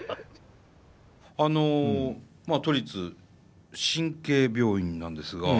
あのまあ都立神経病院なんですがはい。